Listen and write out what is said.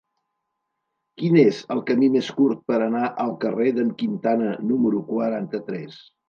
Quin és el camí més curt per anar al carrer d'en Quintana número quaranta-tres?